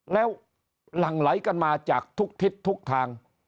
แล้วหลั่งไหลกันมาจากทุกทิศทุกทาง